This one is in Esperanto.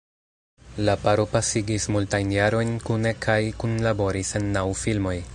La paro pasigis multajn jarojn kune kaj kunlaboris en naŭ filmoj.